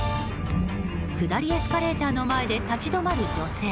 下りエスカレーターの前で立ち止まる女性。